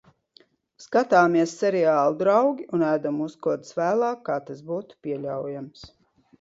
Skatāmies seriālu "Draugi" un ēdam uzkodas vēlāk kā tas būtu pieļaujams.